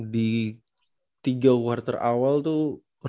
di tiga quarter awal tuh